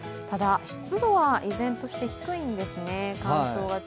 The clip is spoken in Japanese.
ただ湿度は依然として低いんですね。